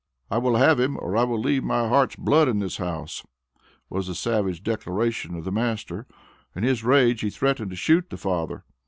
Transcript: "I will have him or I will leave my heart's blood in the house," was the savage declaration of the master. In his rage he threatened to shoot the father.